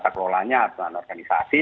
batak rolanya aturan organisasi